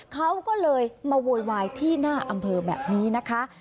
เขาก็เลยมาโวยวายที่หน้าอำเภอแบบนี้นะคะ